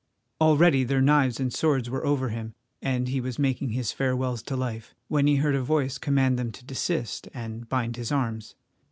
Already their knives and swords were over him, and he was making his farewells to life, when he heard a voice command them to desist and bind his arms.